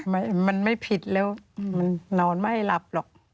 ไม่มันไม่ผิดแล้วมันนอนไม่หลับหรอก